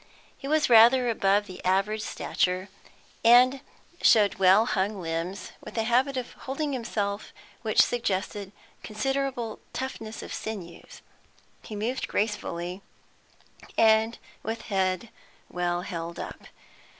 He was rather above the average stature, and showed well hung limbs, with a habit of holding himself which suggested considerable toughness of sinews; he moved gracefully, and with head well held up.